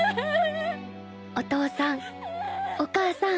お父さんお母さん